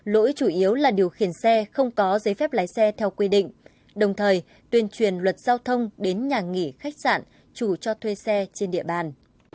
lỗi chủ yếu là điều khiển xe không có giấy phép lái xe theo quy định đồng thời tuyên truyền luật giao thông đến nhà nghỉ khách sạn chủ cho thuê xe trên địa bàn